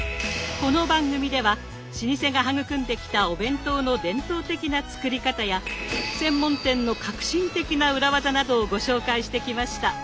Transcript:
この番組では老舗が育んできたお弁当の伝統的な作り方や専門店の革新的な裏技などをご紹介してきました。